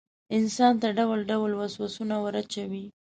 انسان ته ډول ډول وسواسونه وراچوي.